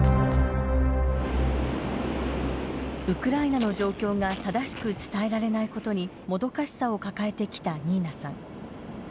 ウクライナの状況が正しく伝えられないことにもどかしさを抱えてきたニーナさん。